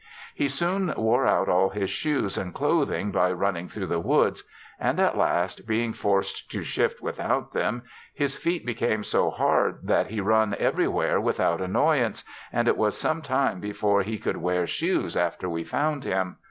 He soon wore out all his shoes and clothing by runmng thro the woods; and at last, being forced to shift without them, his feet became so hard that he run every where without annoyance, and it was some time before he could wear shoes after we found him.